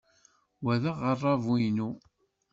Wa d aɣerrabu-inu.